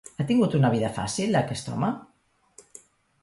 Ha tingut una vida fàcil, aquest home?